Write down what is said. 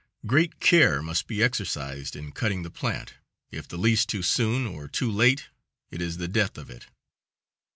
Great care must be exercised in cutting the plant if the least too soon or too late, it is the death of it.